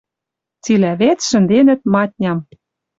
Цилӓ вец шӹнденӹт матням